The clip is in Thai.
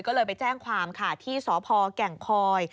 ก็เลยไปแจ้งความค่ะที่สพแก่งคอย